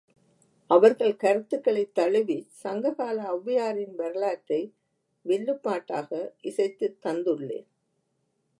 அவர்கள் கருத்துக்களைத் தழுவிச் சங்ககால ஒளவையாரின் வரலாற்றை வில்லுப் பாட்டாக இசைத்துத் தந்துள்ளேன்.